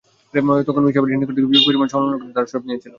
তারা মিসরবাসীদের নিকট থেকে বিপুল পরিমাণ স্বর্ণালংকার ধারস্বরূপ নিয়েছিল।